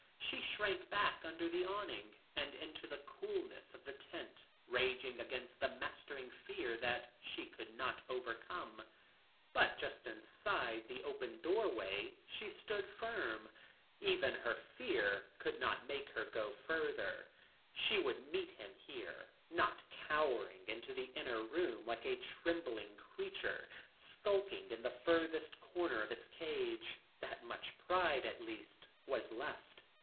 She shrank back under the awning and into the coolness of the tent, raging against the mastering fear that she could not overcome. But just inside the open doorway she stood firm; even her fear could make her go no further. She would meet him here, not cowering into the inner room like a trembling creature skulking in the furthest corner of its cage. That much pride at least was left.